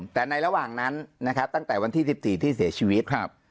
แต่ในระหว่างนั้นนะครับตั้งแต่วันที่๑๔ที่เสียชีวิตครับ